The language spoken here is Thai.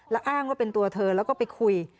แล้วอ้างว่าเป็นตัวเธอแล้วก็ไปคุย